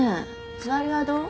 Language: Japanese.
つわりはどう？